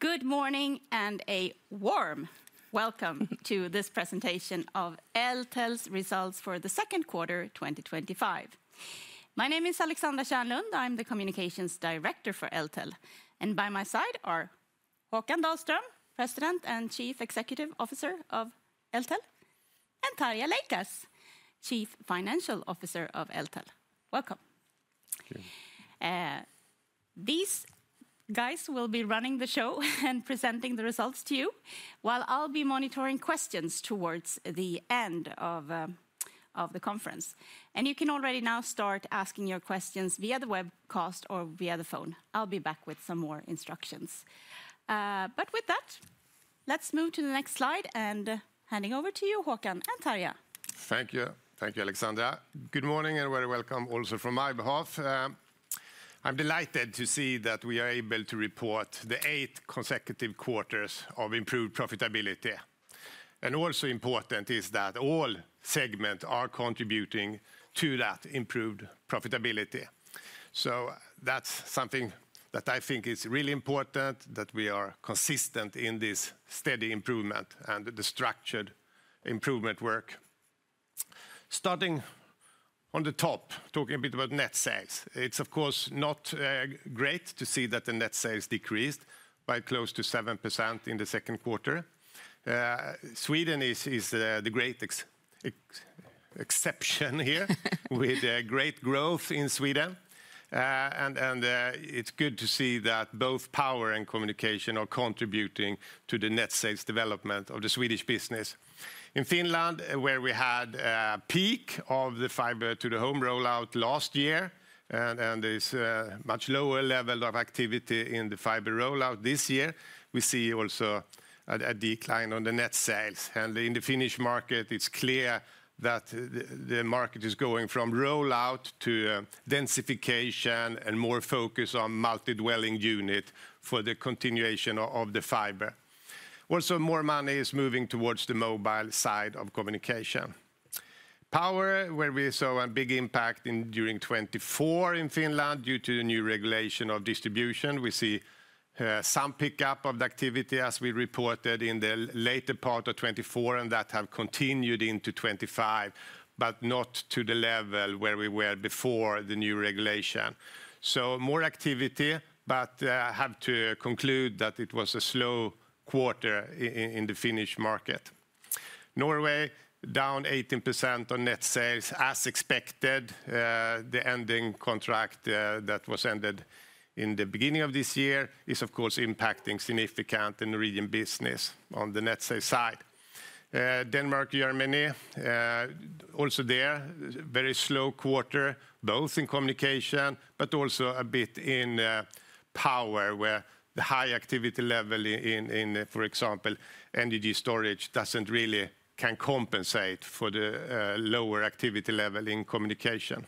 Good morning and a warm welcome to this presentation of Eltel's results for the second quarter 2025. My name is Alexandra Kärnlund. I'm the Communications Director for Eltel. By my side are Håkan Dahlström, President and Chief Executive Officer of Eltel, and Tarja Leikas, Chief Financial Officer of Eltel. Welcome.. These guys will be running the show and presenting the results to you, while I'll be monitoring questions towards the end of the conference. You can already now start asking your questions via the webcast or via the phone. I'll be back with some more instructions. With that, let's move to the next slide and handing over to you, Håkan and Tarja. Thank you, Alexandra. Good morning and a warm welcome also from my behalf. I'm delighted to see that we are able to report the eight consecutive quarters of improved profitability. Also important is that all segments are contributing to that improved profitability. That's something that I think is really important, that we are consistent in this steady improvement and the structured improvement work. Starting on the top, talking a bit about net sales. It's of course not great to see that the net sales decreased by close to 7% in the second quarter. Sweden is the great exception here with great growth in Sweden. It's good to see that both power and communication are contributing to the net sales development of the Swedish business. In Finland, where we had a peak of the fiber-to-the-home rollout last year, and there's a much lower level of activity in the fiber rollout this year, we see also a decline in the net sales. In the Finnish market, it's clear that the market is going from rollout to densification and more focus on multi-dwelling units for the continuation of the fiber. Also, more money is moving towards the mobile side of communication. Power, where we saw a big impact during 2024 in Finland due to the new regulation of distribution, we see some pickup of the activity as we reported in the later part of 2024 and that has continued into 2025, but not to the level where we were before the new regulation. More activity, but I have to conclude that it was a slow quarter in the Finish market. Norway, down 18% on net sales as expected. The ending contract that was ended in the beginning of this year is of course impacting significantly Norwegian business on the net sales side. Denmark, Germany, also there, a very slow quarter both in communication, but also a bit in power where the high activity level in, for example, energy storage doesn't really compensate for the lower activity level in communication.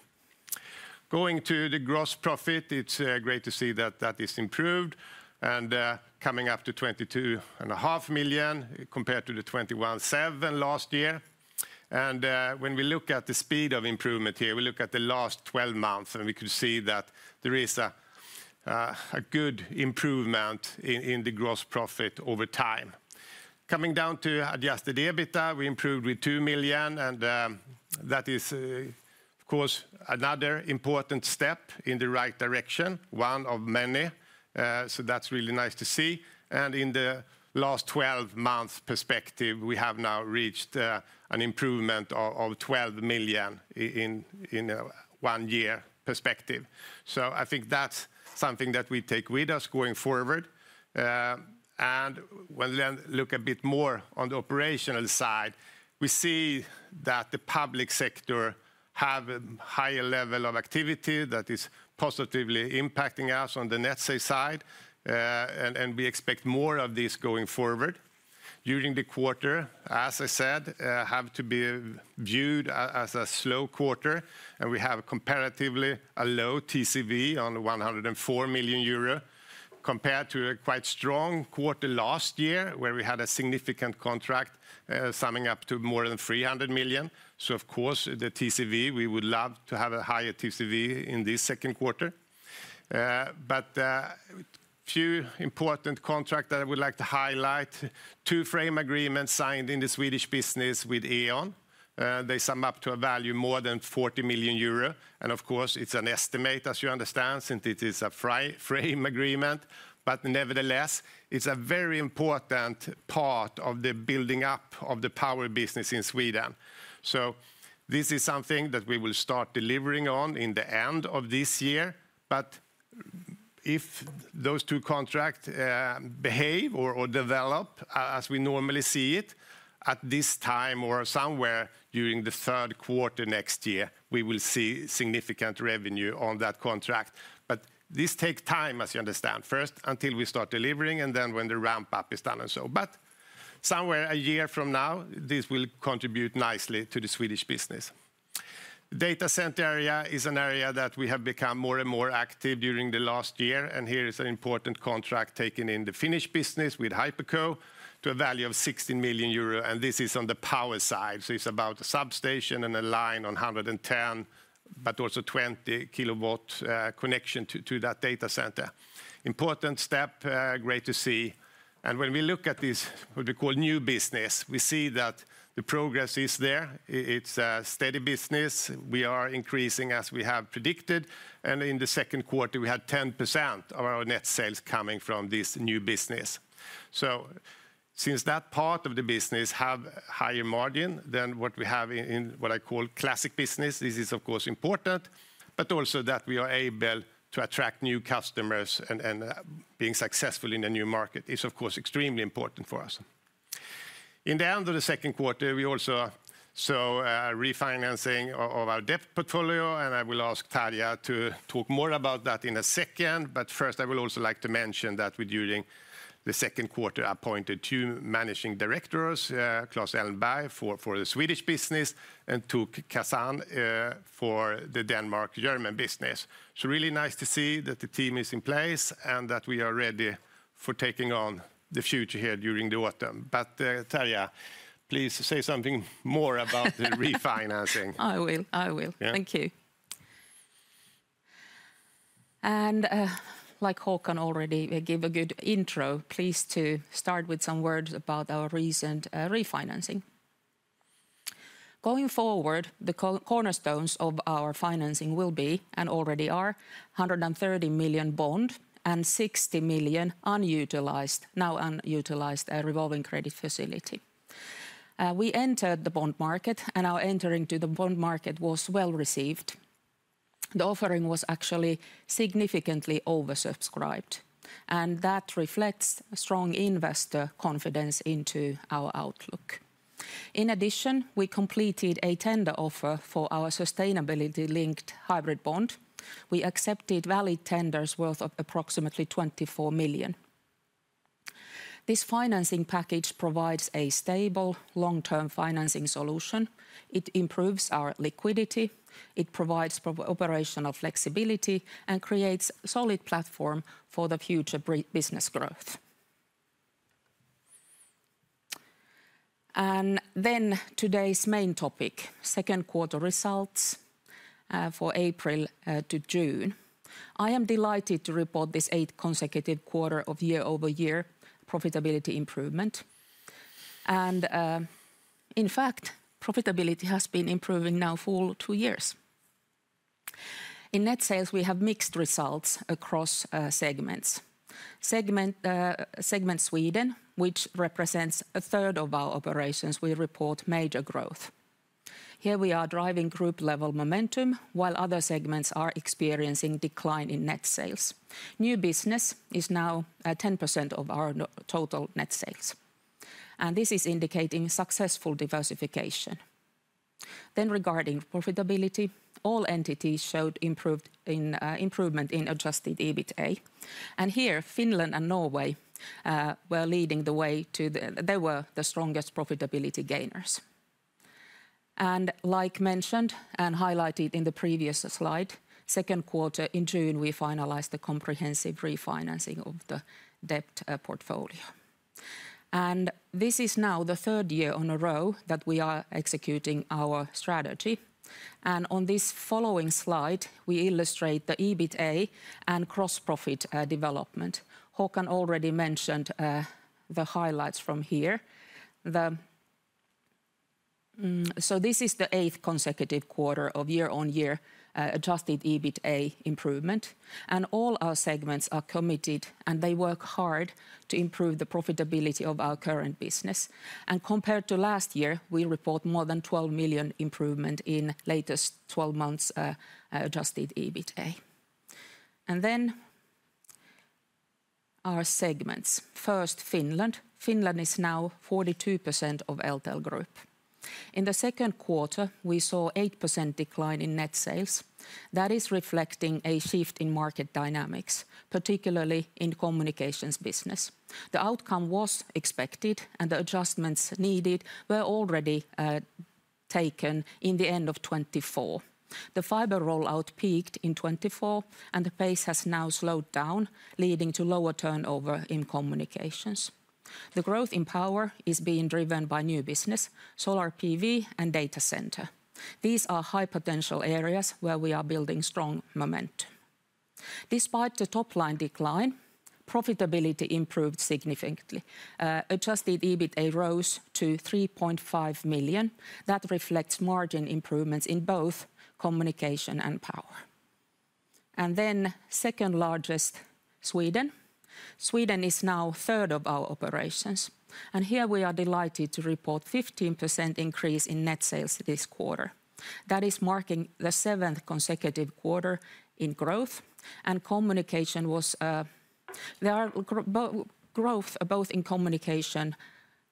Going to the gross profit, it's great to see that that is improved and coming up to 22.5 million compared to the 21.7 million last year. When we look at the speed of improvement here, we look at the last 12 months and we could see that there is a good improvement in the gross profit over time. Coming down to adjusted EBITDA, we improved with 2 million. That is of course another important step in the right direction, one of many. That's really nice to see. In the last 12 months perspective, we have now reached an improvement of 12 million in a one-year perspective. I think that's something that we take with us going forward. When we then look a bit more on the operational side, we see that the public sector has a higher level of activity that is positively impacting us on the net sales side. We expect more of this going forward. During the quarter, as I said, it has to be viewed as a slow quarter. We have comparatively a low TCV of 104 million euro compared to a quite strong quarter last year where we had a significant contract summing up to more than 300 million. Of course, the TCV, we would love to have a higher TCV in this second quarter. A few important contracts that I would like to highlight. Two frame agreements signed in the Swedish business with E.ON. They sum up to a value of more than 40 million euro. Of course, it's an estimate, as you understand, since it is a frame agreement. Nevertheless, it's a very important part of the building up of the power business in Sweden. This is something that we will start delivering on in the end of this year. If those two contracts behave or develop as we normally see it at this time or somewhere during the third quarter next year, we will see significant revenue on that contract. This takes time, as you understand, first until we start delivering and then when the ramp-up is done. Somewhere a year from now, this will contribute nicely to the Swedish business. Data center area is an area that we have become more and more active during the last year. Here is an important contract taken in the Finnish business with Hyperco to a value of 16 million euro. This is on the power side. It's about a substation and a line on 110, but also 20 kilowatt connection to that data center. Important step, great to see. When we look at this, what we call new business, we see that the progress is there. It's a steady business. We are increasing as we have predicted. In the second quarter, we had 10% of our net sales coming from this new business. Since that part of the business has a higher margin than what we have in what I call classic business, this is of course important. Also, that we are able to attract new customers and being successful in a new market is of course extremely important for us. In the end of the second quarter, we also saw a refinancing of our debt portfolio. I will ask Tarja to talk more about that in a second. First, I would also like to mention that during the second quarter, I appointed two Managing Directors, Claes Ellenberg for the Swedish business and Tukka Kasanen for the Denmark-German business. It is really nice to see that the team is in place and that we are ready for taking on the future here during the autumn. Tarja, please say something more about the refinancing. Thank you. Like Håkan already gave a good intro, pleased to start with some words about our recent refinancing. Going forward, the cornerstones of our financing will be and already are €130 million bond and €60 million unutilized, now unutilized revolving credit facility. We entered the bond market, and our entering to the bond market was well received. The offering was actually significantly oversubscribed. That reflects strong investor confidence into our outlook. In addition, we completed a tender offer for our sustainability-linked hybrid bond. We accepted valid tenders worth approximately 24 million. This financing package provides a stable long-term financing solution. It improves our liquidity, it provides operational flexibility, and creates a solid platform for the future business growth. Today's main topic, second quarter results for April to June. I am delighted to report this eighth consecutive quarter of year-over-year profitability improvement. In fact, profitability has been improving now for two years. In net sales, we have mixed results across segments. Segment Sweden, which represents a third of our operations, we report major growth. Here we are driving group-level momentum, while other segments are experiencing a decline in net sales. New business is now 10% of our total net sales. This is indicating successful diversification. Regarding profitability, all entities showed improvement in adjusted EBITDA. Here Finland and Norway were leading the way as the strongest profitability gainers. Like mentioned and highlighted in the previous slide, second quarter in June, we finalized the comprehensive refinancing of the debt portfolio. This is now the third year in a row that we are executing our strategy. On this following slide, we illustrate the EBITDA and gross profit development. Håkan already mentioned the highlights from here. This is the eighth consecutive quarter of year-on-year adjusted EBITDA improvement. All our segments are committed, and they work hard to improve the profitability of our current business. Compared to last year, we report more than 12 million improvement in the latest 12 months adjusted EBITDA. Our segments. First, Finland. Finland is now 42% of Eltel Group. In the second quarter, we saw an 8% decline in net sales. That is reflecting a shift in market dynamics, particularly in the communications business. The outcome was expected, and the adjustments needed were already taken in the end of 2024. The fiber rollout peaked in 2024, and the pace has now slowed down, leading to lower turnover in communication services. The growth in power is being driven by new business, solar PV, and data centers. These are high potential areas where we are building strong momentum. Despite the top line decline, profitability improved significantly. Adjusted EBITDA rose to 3.5 million. That reflects margin improvements in both communication services and power. And then second largest Sweden.Sweden is now a third of our operations. We are delighted to report a 15% increase in net sales this quarter. That is marking the seventh consecutive quarter in growth. There is growth both in communication services,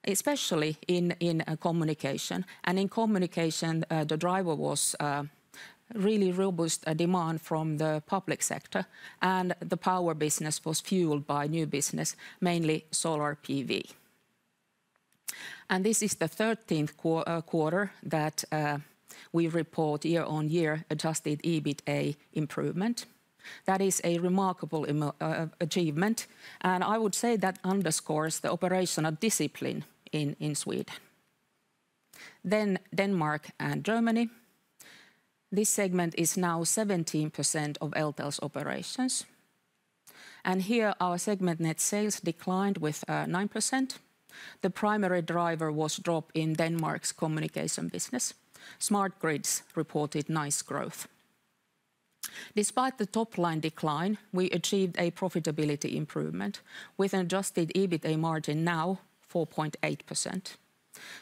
especially in communication services. In communication services, the driver was really robust demand from the public sector. The power business was fueled by new business, mainly solar PV. This is the 13th quarter that we report year-on-year adjusted EBITDA improvement. That is a remarkable achievement. I would say that underscores the operational discipline in Sweden. Denmark and Germany. This segment is now 17% of Eltel AB's operations. Our segment net sales declined by 9%. The primary driver was a drop in Denmark's communication services business. Smart grids reported nice growth. Despite the top line decline, we achieved a profitability improvement with an adjusted EBITDA margin now 4.8%.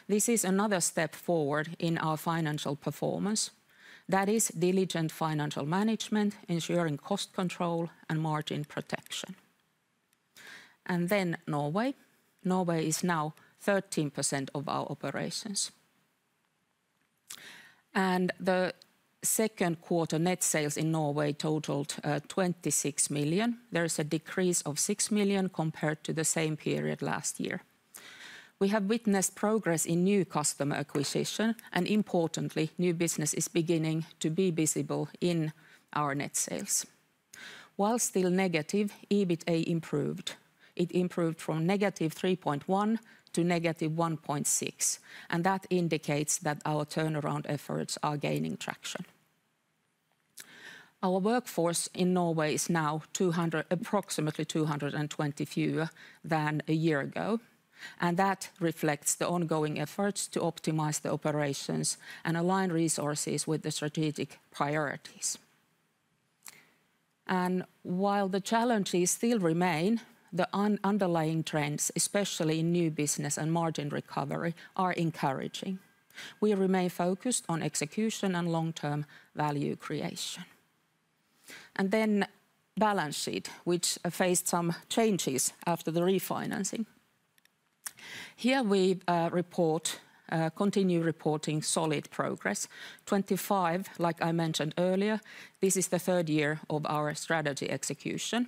This is another step forward in our financial performance. That is diligent financial management, ensuring cost control and margin protection. Norway is now 13% of our operations. The second quarter net sales in Norway totaled €26 million. There is a decrease of €6 million compared to the same period last year. We have witnessed progress in new customer acquisition. Importantly, new business is beginning to be visible in our net sales. While still negative, EBITDA improved. It improved from negative €3.1 million to negative €1.6 million. That indicates that our turnaround efforts are gaining traction. Our workforce in Norway is now approximately 220 fewer than a year ago. That reflects the ongoing efforts to optimize the operations and align resources with the strategic priorities. While the challenges still remain, the underlying trends, especially in new business and margin recovery, are encouraging. We remain focused on execution and long-term value creation. The balance sheet faced some changes after the refinancing. Here we continue reporting solid progress. 2025, like I mentioned earlier, this is the third year of our strategy execution.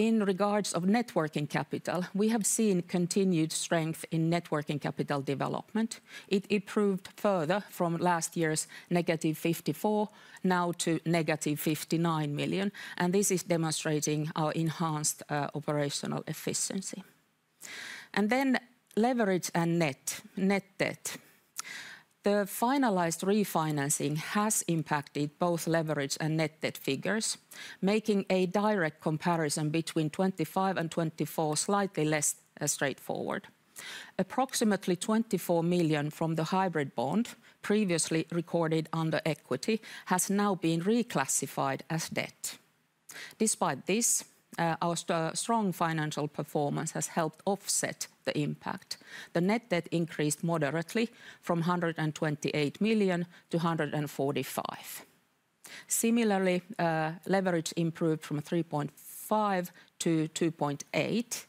In regards to networking capital, we have seen continued strength in networking capital development. It improved further from last year's negative 54 million, now to negative 59 million. This is demonstrating our enhanced operational efficiency. Leverage and net debt were also impacted. The finalized refinancing has impacted both leverage and net debt figures, making a direct comparison between 2025 and 2024 slightly less straightforward. Approximately 24 million from the hybrid bond, previously recorded under equity, has now been reclassified as debt. Despite this, our strong financial performance has helped offset the impact. The net debt increased moderately from 128 million to 145. Similarly, leverage improved from 3.5 to 2.8.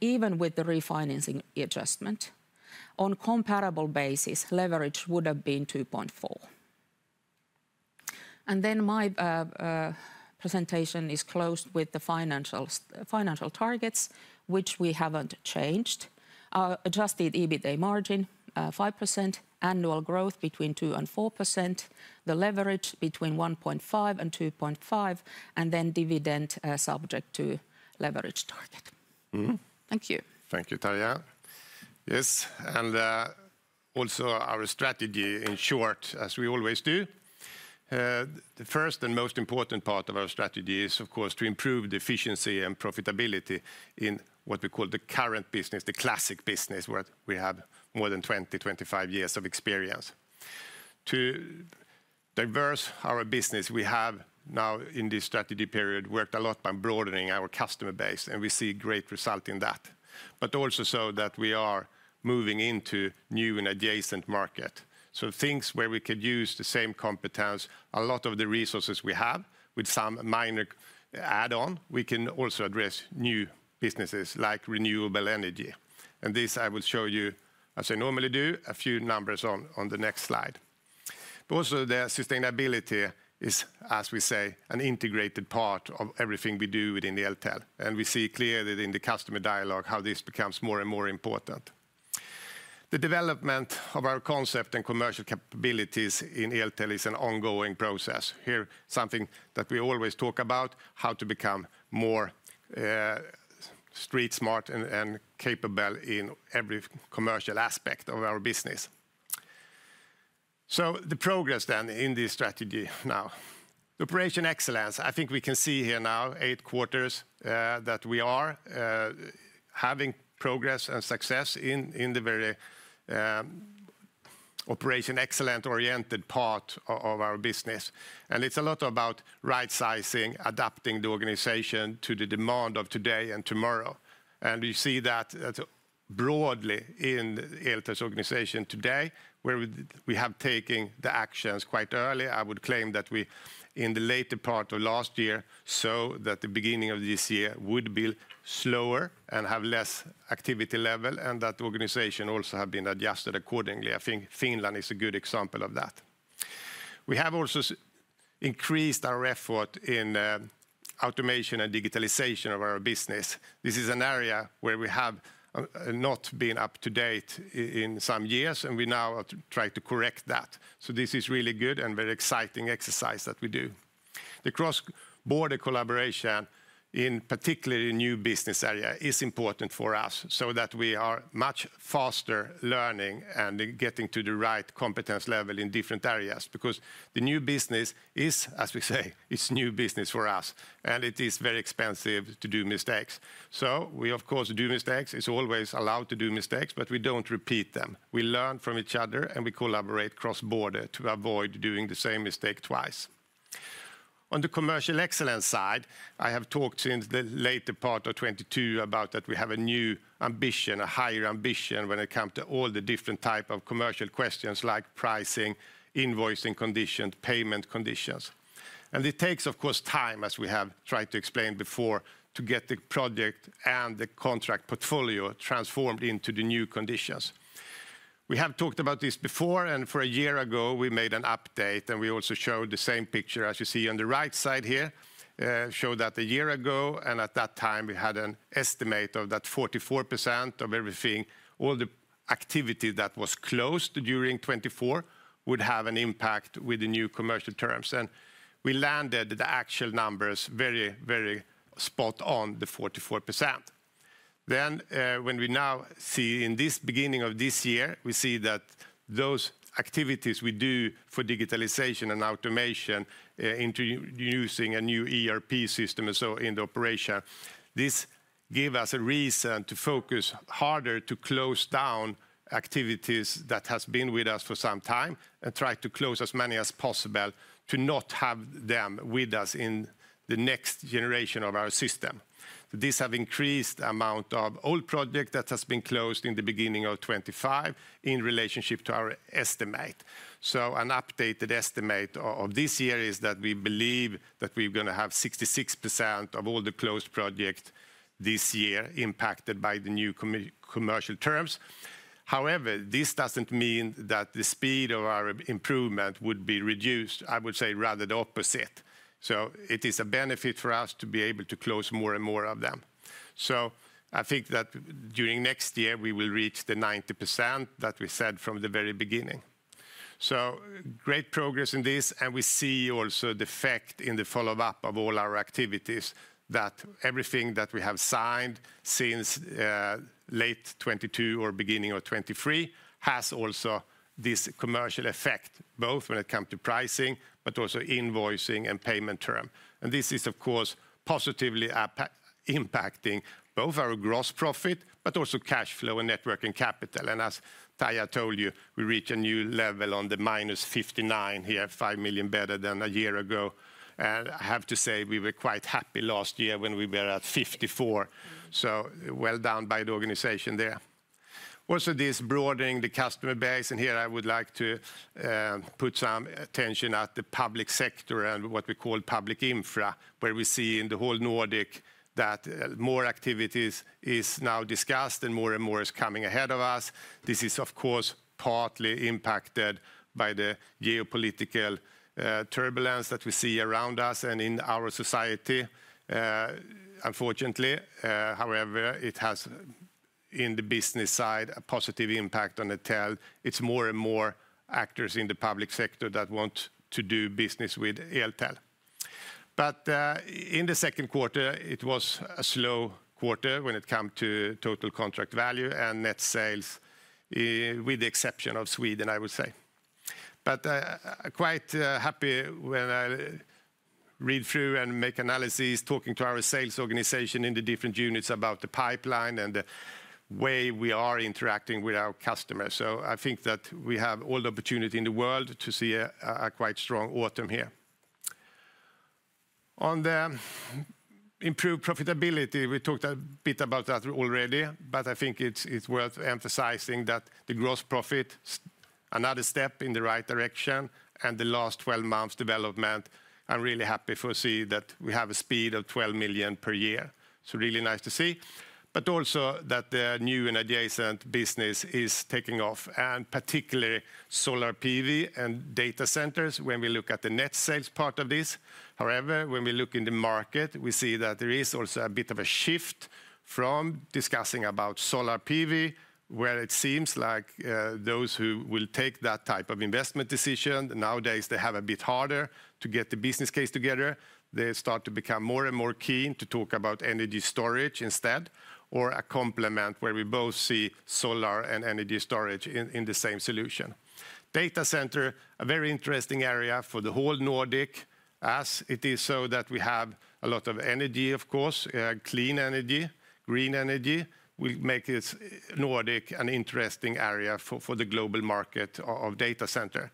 Even with the refinancing adjustment, on a comparable basis, leverage would have been 2.4. My presentation is closed with the financial targets, which we haven't changed. Our adjusted EBITDA margin is 5%, annual growth between 2% and 4%, the leverage between 1.5% and 2.5%, and dividend subject to leverage target. Thank you. Thank you, Tarja. Yes, and also our strategy in short, as we always do. The first and most important part of our strategy is, of course, to improve the efficiency and profitability in what we call the current business, the classic business where we have more than 20, 25 years of experience. To diversify our business, we have now in this strategy period worked a lot on broadening our customer base, and we see great results in that. Also, we are moving into new and adjacent markets. Things where we could use the same competence, a lot of the resources we have, with some minor add-ons, we can also address new businesses like renewable energy. This I will show you, as I normally do, a few numbers on the next slide. Sustainability is, as we say, an integrated part of everything we do within Eltel. We see clearly in the customer dialogue how this becomes more and more important. The development of our concept and commercial capabilities in Eltel is an ongoing process. Here, something that we always talk about, how to become more street smart and capable in every commercial aspect of our business. The progress then in this strategy now. Operation excellence, I think we can see here now eight quarters that we are having progress and success in the very operation excellence-oriented part of our business. It's a lot about right sizing, adapting the organization to the demand of today and tomorrow. We see that broadly in Eltel's organization today, where we have taken the actions quite early. I would claim that we in the later part of last year saw that the beginning of this year would be slower and have less activity level, and that the organization also had been adjusted accordingly. I think Finland is a good example of that. We have also increased our effort in automation and digitalization of our business. This is an area where we have not been up to date in some years, and we now try to correct that. This is really good and very exciting exercise that we do. The cross-border collaboration, in particular in the new business area, is important for us so that we are much faster learning and getting to the right competence level in different areas. The new business is, as we say, it's new business for us. It is very expensive to do mistakes. We, of course, do mistakes. It's always allowed to do mistakes, but we don't repeat them. We learn from each other, and we collaborate cross-border to avoid doing the same mistake twice. On the commercial excellence side, I have talked since the later part of 2022 about that we have a new ambition, a higher ambition when it comes to all the different types of commercial questions like pricing, invoicing conditions, payment conditions. It takes, of course, time, as we have tried to explain before, to get the project and the contract portfolio transformed into the new conditions. We have talked about this before, and a year ago, we made an update, and we also showed the same picture as you see on the right side here. Showed that a year ago, and at that time, we had an estimate that 44% of everything, all the activity that was closed during 2024, would have an impact with the new commercial terms. We landed the actual numbers very spot on the 44%. Now when we see in this beginning of this year, we see that those activities we do for digitalization and automation, introducing a new ERP system and so in the operation, this gives us a reason to focus harder to close down activities that have been with us for some time and try to close as many as possible to not have them with us in the next generation of our system. These have increased the amount of old projects that have been closed in the beginning of 2025 in relationship to our estimate. An updated estimate of this year is that we believe that we're going to have 66% of all the closed projects this year impacted by the new commercial terms. However, this doesn't mean that the speed of our improvement would be reduced. I would say rather the opposite. It is a benefit for us to be able to close more and more of them. I think that during next year, we will reach the 90% that we said from the very beginning. Great progress in this, and we see also the effect in the follow-up of all our activities that everything that we have signed since late 2022 or beginning of 2023 has also this commercial effect, both when it comes to pricing, but also invoicing and payment terms. This is, of course, positively impacting both our gross profit, but also cash flow and networking capital. As Tarja told you, we reached a new level on the minus 59 here, 5 million better than a year ago. I have to say we were quite happy last year when we were at 54. Well done by the organization there. Also, this broadening the customer base, and here I would like to put some attention at the public sector and what we call public infra, where we see in the whole Nordic that more activities are now discussed and more and more are coming ahead of us. This is, of course, partly impacted by the geopolitical turbulence that we see around us and in our society. Unfortunately, however, it has in the business side a positive impact on Eltel. It's more and more actors in the public sector that want to do business with Eltel. In the second quarter, it was a slow quarter when it comes to total contract value and net sales, with the exception of Sweden, I would say. I'm quite happy when I read through and make analyses, talking to our sales organization in the different units about the pipeline and the way we are interacting with our customers. I think that we have all the opportunity in the world to see a quite strong autumn here. On the improved profitability, we talked a bit about that already, but I think it's worth emphasizing that the gross profit is another step in the right direction. The last 12 months development, I'm really happy to see that we have a speed of 12 million per year. Really nice to see. Also that the new and adjacent business is taking off, and particularly solar PV and data centers when we look at the net sales part of this. However, when we look in the market, we see that there is also a bit of a shift from discussing about solar PV, where it seems like those who will take that type of investment decision nowadays, they have a bit harder to get the business case together. They start to become more and more keen to talk about energy storage instead, or a complement where we both see solar and energy storage in the same solution. Data center, a very interesting area for the whole Nordic, as it is so that we have a lot of energy, of course, clean energy, green energy, which makes Nordic an interesting area for the global market of data center.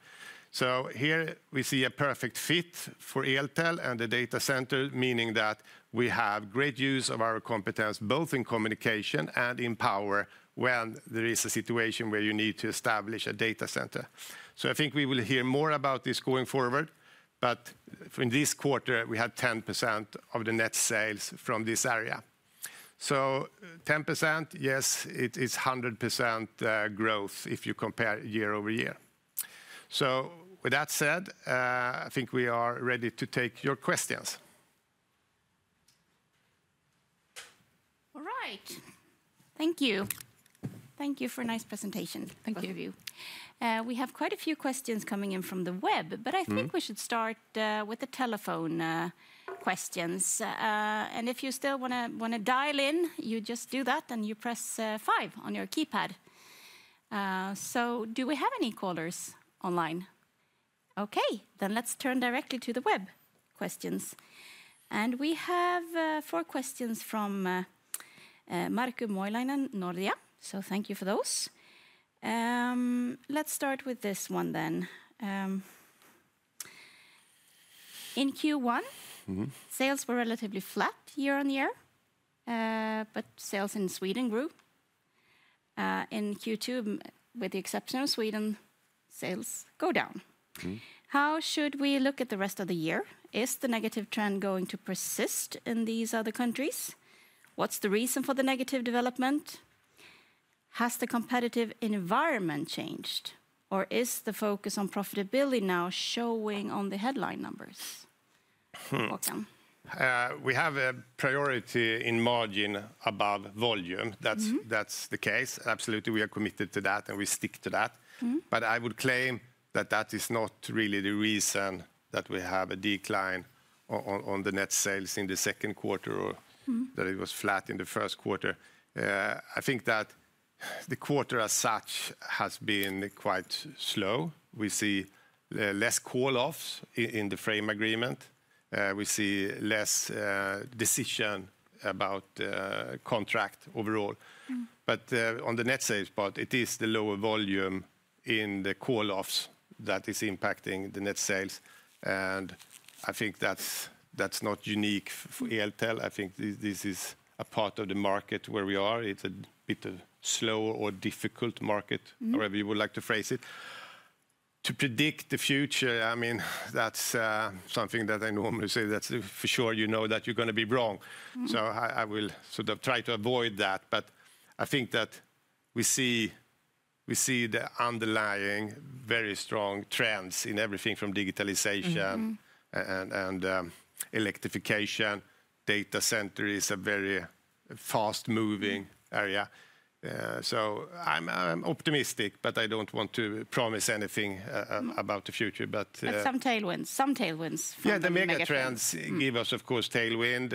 Here we see a perfect fit for Eltel and the data center, meaning that we have great use of our competence both in communication and in power when there is a situation where you need to establish a data center. I think we will hear more about this going forward. In this quarter, we had 10% of the net sales from this area. 10%, yes, it is 100% growth if you compare year over year. With that said, I think we are ready to take your questions. All right. Thank you. Thank you for a nice presentation. Thank you. We have quite a few questions coming in from the web, but I think we should start with the telephone questions. If you still want to dial in, you just do that and you press five on your keypad. Do we have any callers online? OK, let's turn directly to the web questions. We have four questions from Marco Moilanen, Nordea. Thank you for those. Let's start with this one then. In Q1, sales were relatively flat year on year, but sales in Sweden grew. In Q2, with the exception of Sweden, sales go down. How should we look at the rest of the year? Is the negative trend going to persist in these other countries? What's the reason for the negative development? Has the competitive environment changed? Is the focus on profitability now showing on the headline numbers? We have a priority in margin above volume. That's the case. Absolutely, we are committed to that and we stick to that. I would claim that that is not really the reason that we have a decline on the net sales in the second quarter or that it was flat in the first quarter. I think that the quarter as such has been quite slow. We see less call-offs in the frame agreement. We see less decision about contract overall. On the net sales part, it is the lower volume in the call-offs that is impacting the net sales. I think that's not unique for Eltel. I think this is a part of the market where we are. It's a bit of a slow or difficult market, however you would like to phrase it. To predict the future, I mean, that's something that I normally say, that's for sure you know that you're going to be wrong. I will sort of try to avoid that. I think that we see the underlying very strong trends in everything from digitalization and electrification. Data center is a very fast-moving area. I'm optimistic, but I don't want to promise anything about the future. Some tailwinds. Yeah, the megatrends give us, of course, tailwind.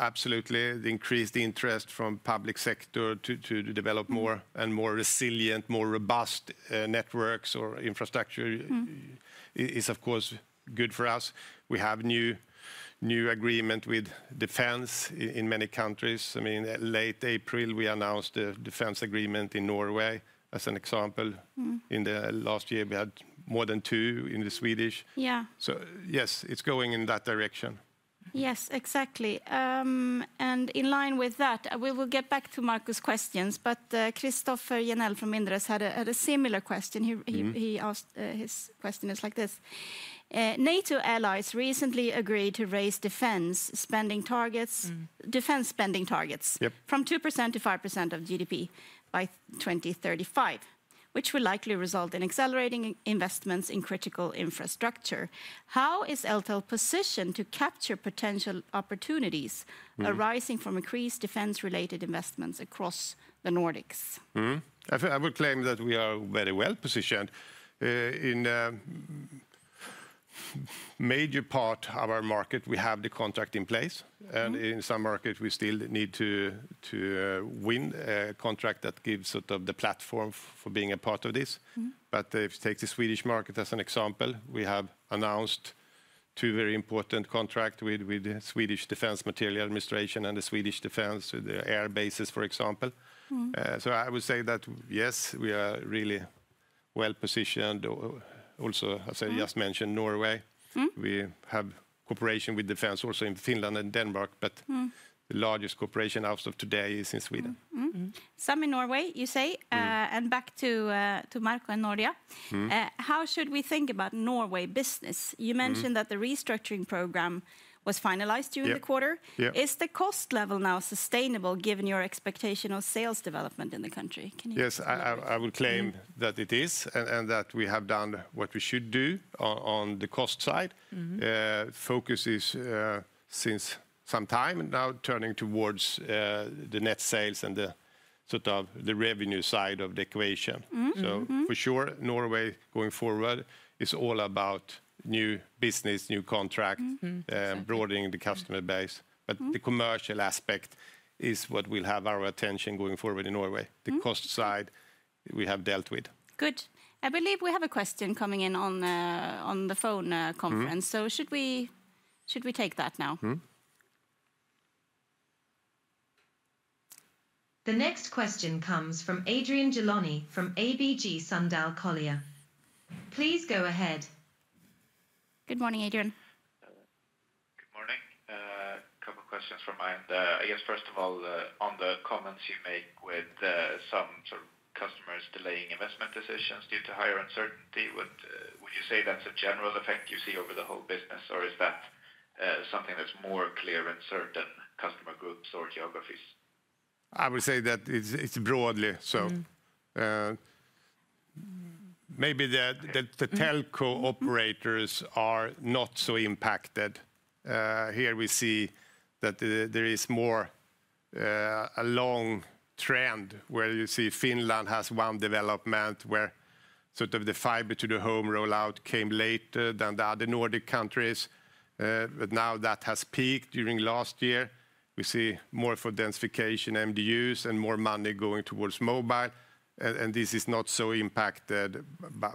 Absolutely, the increased interest from the public sector to develop more and more resilient, more robust networks or infrastructure is, of course, good for us. We have a new agreement with defense in many countries. I mean, late April, we announced the defense agreement in Norway as an example. In the last year, we had more than two in the Swedish. Yeah, it's going in that direction. Yes, exactly. In line with that, we will get back to Marco's questions. Christopher Janell from Indres had a similar question. He asked, his question is like this. NATO allies recently agreed to raise defense spending targets from 2% to 5% of GDP by 2035. Which will likely result in accelerating investments in critical infrastructure. How is Eltel positioned to capture potential opportunities arising from increased defense-related investments across the Nordics? I would claim that we are very well positioned. In a major part of our market, we have the contract in place. In some markets, we still need to win a contract that gives sort of the platform for being a part of this. If you take the Swedish market as an example, we have announced two very important contracts with the Swedish Defense Material Administration and the Swedish Defense Air Bases, for example. I would say that, yes, we are really well positioned. Also, as I just mentioned, Norway. We have cooperation with defense also in Finland and Denmark. The largest cooperation as of today is in Sweden. Some in Norway, you say. Back to Marco and Nordea. How should we think about Norway business? You mentioned that the restructuring program was finalized during the quarter. Is the cost level now sustainable given your expectation of sales development in the country? Yes, I would claim that it is and that we have done what we should do on the cost side. Focus is since some time now turning towards the net sales and the sort of the revenue side of the equation. For sure, Norway going forward is all about new business, new contract, broadening the customer base. The commercial aspect is what will have our attention going forward in Norway. The cost side, we have dealt with. Good. I believe we have a question coming in on the phone conference. Should we take that now? The next question comes from Adrian Gilani from ABG Sundal Collier. Please go ahead. Good morning, Adrian. Good morning. A couple of questions from my end. I guess, first of all, on the comments you make with some sort of customers delaying investment decisions due to higher uncertainty, would you say that's a general effect you see over the whole business, or is that something that's more clear in certain customer groups or geographies? I would say that it's broadly. Maybe the telco operators are not so impacted. Here we see that there is more a long trend where you see Finland has one development where the fiber-to-the-home rollout came later than the other Nordic countries. Now that has peaked during last year. We see more for densification MDUs and more money going towards mobile. This is not so impacted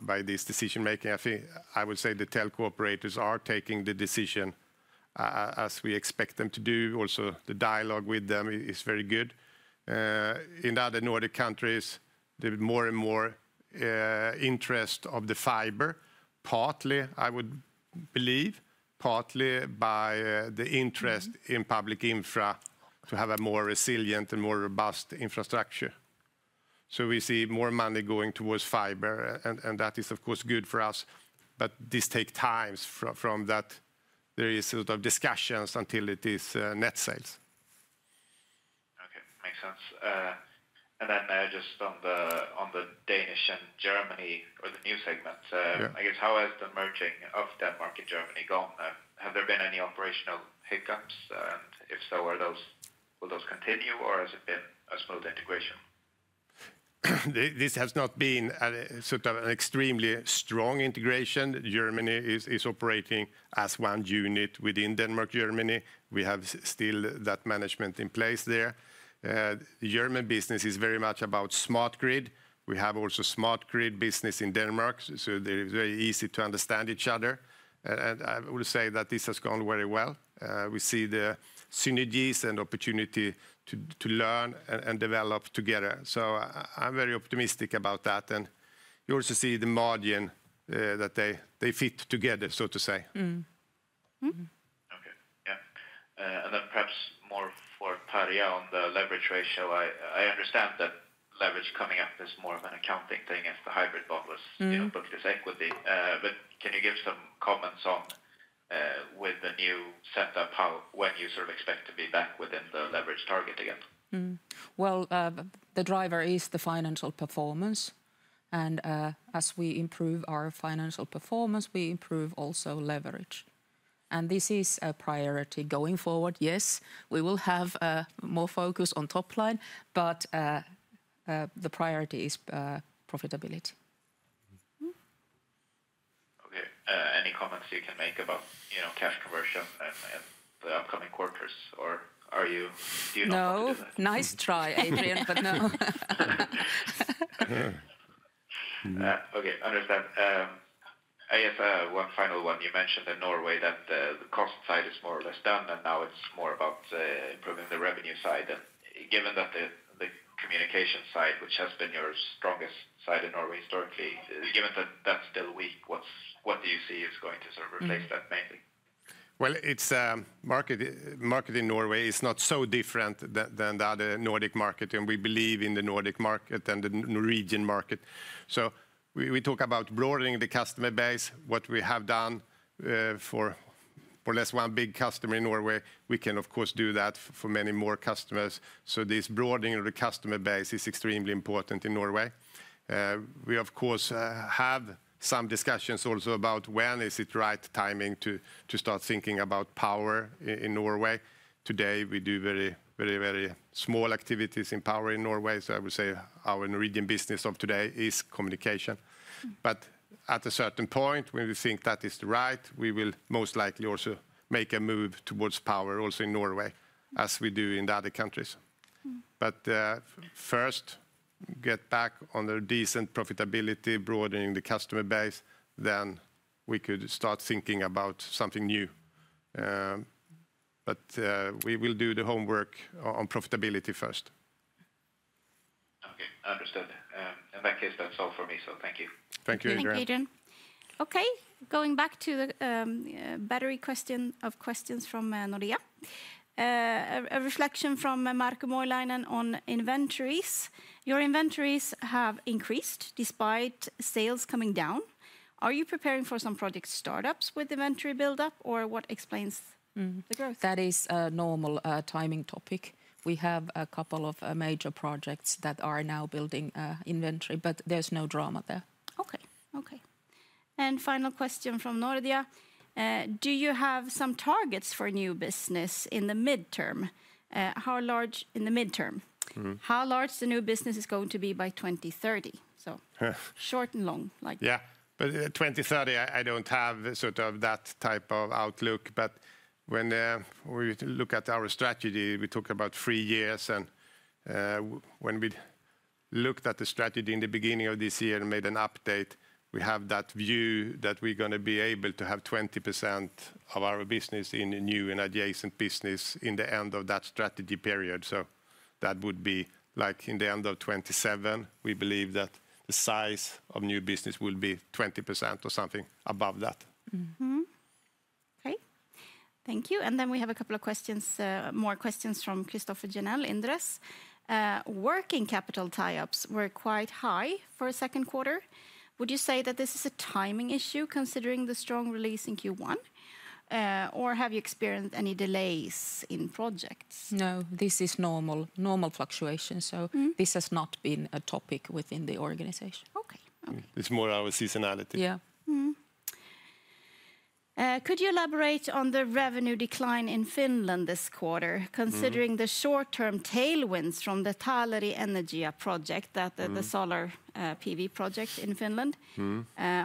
by this decision-making. I think I would say the telco operators are taking the decision as we expect them to do. Also, the dialogue with them is very good. In other Nordic countries, there is more and more interest in the fiber, partly, I would believe, partly by the interest in public infra to have a more resilient and more robust infrastructure. We see more money going towards fiber. That is, of course, good for us. This takes time from that there are discussions until it is net sales. OK. Makes sense. Just on the Danish and Germany or the new segment, I guess how has the merging of Denmark and Germany gone? Have there been any operational hiccups? If so, will those continue or has it been a smooth integration? This has not been an extremely strong integration. Germany is operating as one unit within Denmark-Germany. We have still that management in place there. German business is very much about smart grid. We have also smart grid business in Denmark. They're very easy to understand each other. I would say that this has gone very well. We see the synergies and opportunity to learn and develop together. I'm very optimistic about that. You also see the margin that they fit together, so to say. Ok. Yeah. Perhaps more for Tarja on the leverage ratio. I understand that leverage coming up is more of an accounting thing as the hybrid bond was booked as equity. Can you give some comments on with the new setup, how when you sort of expect to be back within the leverage target again? The driver is the financial performance. As we improve our financial performance, we improve also leverage. This is a priority going forward. Yes, we will have more focus on top line, but the priority is profitability. OK. Any comments you can make about cash conversion and the upcoming quarters? No, nice try, Adrian, but no. OK, understand. I have one final one. You mentioned in Norway that the cost side is more or less done, and now it's more about improving the revenue side. Given that the communication side, which has been your strongest side in Norway historically, given that that's still weak, what do you see is going to sort of replace that mainly? The market in Norway is not so different than the other Nordic market, and we believe in the Nordic market and the Norwegian market. We talk about broadening the customer base. What we have done for less one big customer in Norway, we can, of course, do that for many more customers. This broadening of the customer base is extremely important in Norway. We, of course, have some discussions also about when is it the right timing to start thinking about power in Norway. Today, we do very, very, very small activities in power in Norway. I would say our Norwegian business of today is communication, but at a certain point, when we think that is the right, we will most likely also make a move towards power also in Norway, as we do in the other countries. First, get back on the decent profitability, broadening the customer base, then we could start thinking about something new. We will do the homework on profitability first. OK. Understood. In that case, that's all for me. Thank you. Thank you, Adrian. OK, going back to the battery question of questions from Nordea. A reflection from Marco Moilanen on inventories. Your inventories have increased despite sales coming down. Are you preparing for some project startups with inventory buildup, or what explains the growth? That is a normal timing topic. We have a couple of major projects that are now building inventory, but there's no drama there. OK. Final question from Nordea. Do you have some targets for new business in the midterm? How large in the midterm? How large the new business is going to be by 2030? Short and long. Yeah, for 2030, I don't have that type of outlook. When we look at our strategy, we talk about three years. When we looked at the strategy in the beginning of this year and made an update, we have that view that we're going to be able to have 20% of our business in the new and adjacent business at the end of that strategy period. That would be in the end of 2027. We believe that the size of new business will be 20% or something above that. OK, thank you. We have a couple of questions, more questions from Christopher Janell. The working capital tie-ups were quite high for the second quarter. Would you say that this is a timing issue considering the strong release in Q1? Or have you experienced any delays in projects? No, this is normal, normal fluctuation. This has not been a topic within the organization. It's more our seasonality. Could you elaborate on the revenue decline in Finland this quarter, considering the short-term tailwinds from the Tallieri Energia project, the solar PV project in Finland?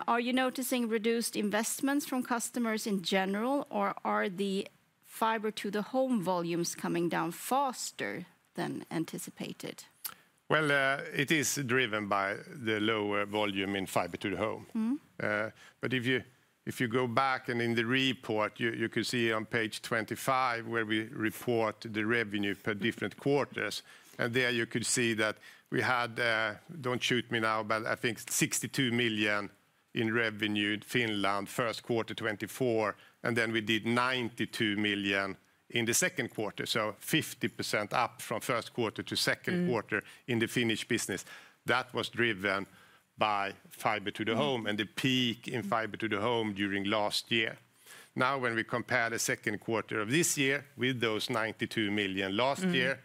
Are you noticing reduced investments from customers in general, or are the fiber-to-the-home volumes coming down faster than anticipated? It is driven by the lower volume in fiber-to-the-home. If you go back and in the report, you could see on page 25 where we report the revenue per different quarters. There you could see that we had, don't shoot me now, but I think 62 million in revenue in Finland first quarter 2024. Then we did 92 million in the second quarter. So 50% up from first quarter to second quarter in the Finnish business. That was driven by fiber-to-the-home and the peak in fiber-to-the-home during last year. Now when we compare the second quarter of this year with those 92 million last year,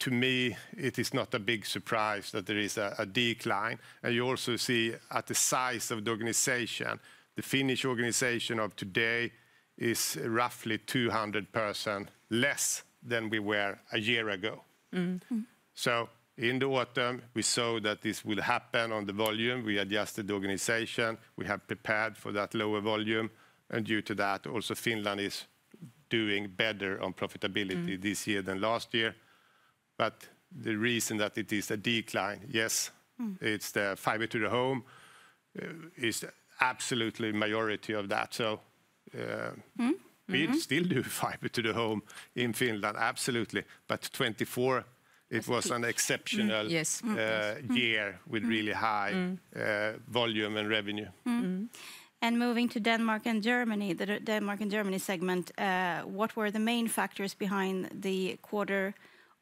to me, it is not a big surprise that there is a decline. You also see at the size of the organization, the Finnish organization of today is roughly 20% less than we were a year ago. In the autumn, we saw that this will happen on the volume. We adjusted the organization. We have prepared for that lower volume. Due to that, also Finland is doing better on profitability this year than last year. The reason that it is a decline, yes, it's the fiber-to-the-home is absolutely a majority of that. We still do fiber-to-the-home in Finland, absolutely. 2024 was an exceptional year with really high volume and revenue. Moving to Denmark and Germany, the Denmark and Germany segment, what were the main factors behind the quarter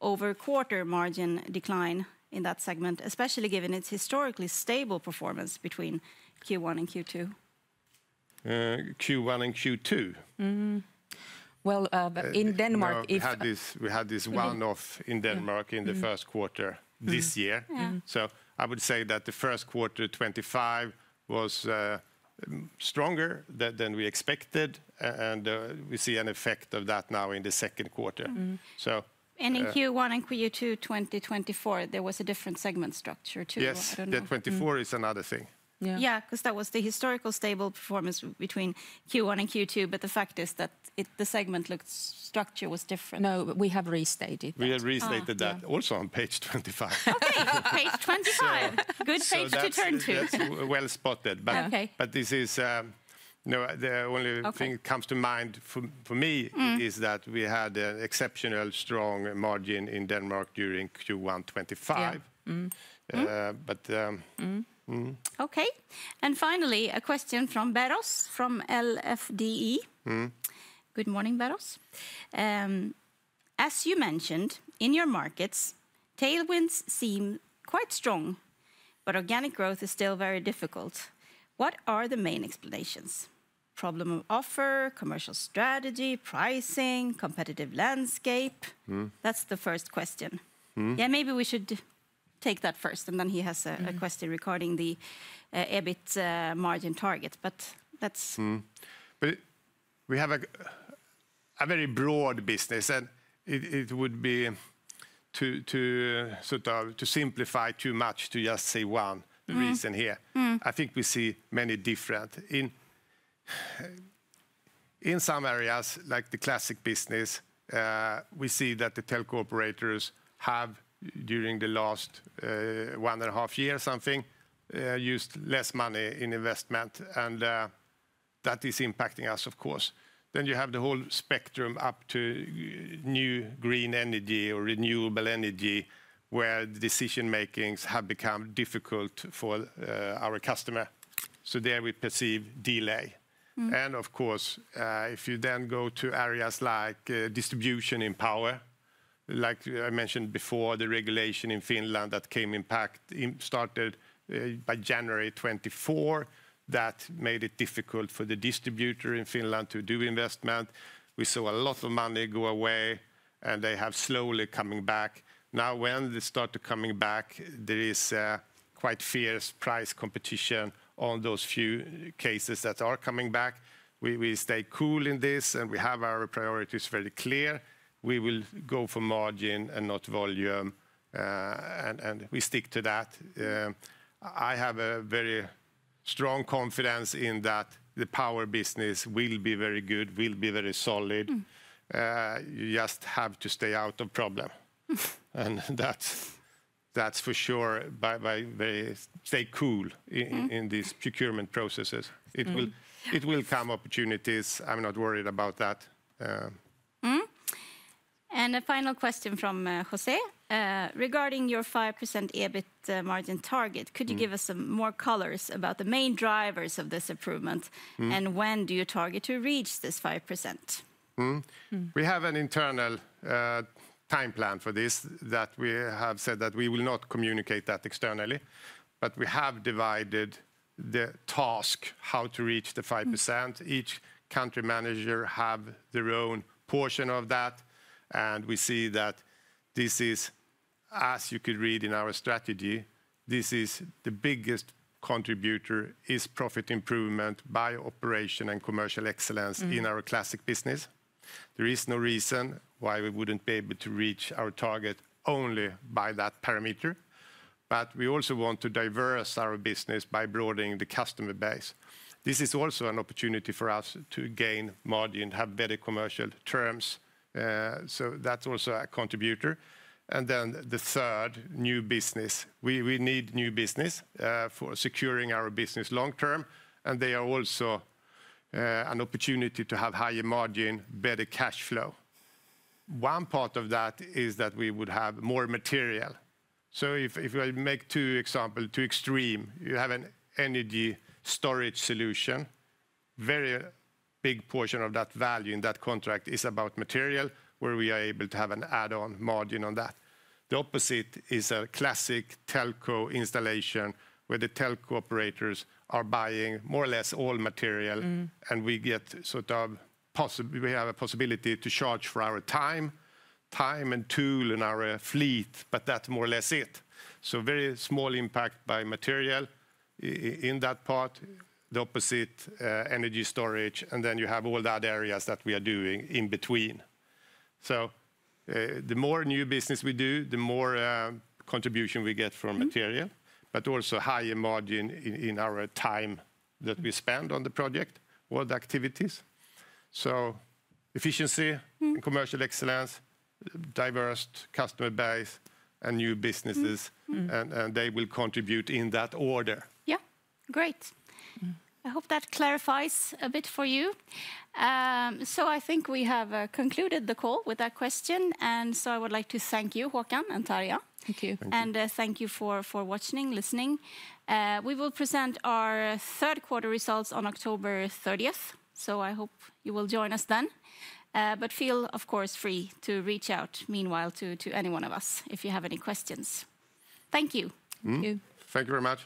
over quarter margin decline in that segment, especially given its historically stable performance between Q1 and Q2? Q1 and Q2? In Denmark. We had this one-off in Denmark in the first quarter this year. I would say that the first quarter 2025 was stronger than we expected, and we see an effect of that now in the second quarter. In Q1 and Q2 2024, there was a different segment structure too. Yes, 2024 is another thing. Yeah, because that was the historical stable performance between Q1 and Q2. The fact is that the segment look structure was different. No, we have restated that. We have restated that also on page 25. Page 25. Good place to turn to. This is, you know, the only thing that comes to mind for me is that we had an exceptionally strong margin in Denmark during Q1 2025. OK. Finally, a question from Beros from LFDE. Good morning, Beros. As you mentioned, in your markets, tailwinds seem quite strong, but organic growth is still very difficult. What are the main explanations? Problem of offer, commercial strategy, pricing, competitive landscape? That's the first question. Maybe we should take that first. Then he has a question regarding the EBIT margin target. We have a very broad business. It would be to simplify too much to just say one reason here. I think we see many different. In some areas, like the classic business, we see that the telco operators have, during the last one and a half years, used less money in investment. That is impacting us, of course. You have the whole spectrum up to new green energy or renewable energy, where the decision-making has become difficult for our customer. There we perceive delay. If you go to areas like distribution in power, like I mentioned before, the regulation in Finland that came in effect starting January 2024 made it difficult for the distributor in Finland to do investment. We saw a lot of money go away. They have slowly come back. Now when they start coming back, there is quite fierce price competition on those few cases that are coming back. We stay cool in this. We have our priorities very clear. We will go for margin and not volume. We stick to that. I have a very strong confidence in that the power business will be very good, will be very solid. You just have to stay out of the problem. That's for sure by staying cool in these procurement processes. It will come opportunities. I'm not worried about that. A final question from José regarding your 5% EBIT margin target. Could you give us some more colors about the main drivers of this improvement? When do you target to reach this 5%? We have an internal time plan for this that we have said that we will not communicate externally. We have divided the task of how to reach the 5%. Each country manager has their own portion of that. We see that this is, as you could read in our strategy, the biggest contributor is profit improvement by operation and commercial excellence in our classic business. There is no reason why we wouldn't be able to reach our target only by that parameter. We also want to diversify our business by broadening the customer base. This is also an opportunity for us to gain margin and have better commercial terms. That's also a contributor. The third is new business. We need new business for securing our business long term. They are also an opportunity to have higher margin, better cash flow. One part of that is that we would have more material. If I make two examples, two extreme, you have an energy storage solution. A very big portion of that value in that contract is about material, where we are able to have an add-on margin on that. The opposite is a classic telco installation, where the telco operators are buying more or less all material. We get sort of, possibly, we have a possibility to charge for our time, time, and tool in our fleet. That's more or less it. Very small impact by material in that part. The opposite, energy storage. You have all the other areas that we are doing in between. The more new business we do, the more contribution we get from material, but also higher margin in our time that we spend on the project or the activities. Efficiency, commercial excellence, diverse customer base, and new businesses will contribute in that order. Yeah, great. I hope that clarifies a bit for you. I think we have concluded the call with that question. I would like to thank you, Håkan and Tarja. Thank you. Thank you for watching and listening. We will present our third quarter results on October 30. I hope you will join us then. Of course, feel free to reach out meanwhile to any one of us if you have any questions. Thank you. Thank you. Thank you, everyone.